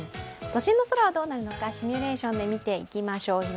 都心の空はどうなるのかシミュレーションで見ていきましょう。